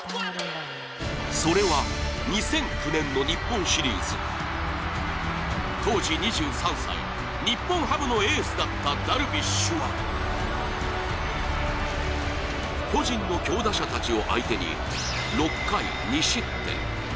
それは、２００９年の日本シリーズ。当時２３歳、日本ハムのエースだったダルビッシュは巨人の強打者たちを相手に６回２失点。